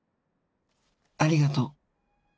ありがとう。